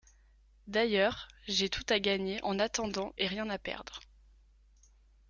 D'ailleurs, j'ai tout à gagner en attendant et rien à perdre.